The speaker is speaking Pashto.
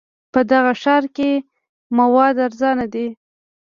په دغه ښار کې مواد ارزانه دي.